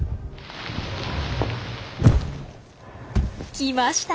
来ました。